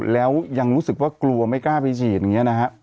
แล้วยังรู้สึกว่ากลัวไม่กล้าไปฉีดอย่างนี้นะฮะ